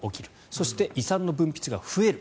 そして、胃酸の分泌が増える。